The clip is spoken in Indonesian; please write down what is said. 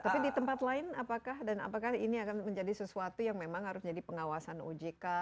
tapi di tempat lain apakah dan apakah ini akan menjadi sesuatu yang memang harus jadi pengawasan ojk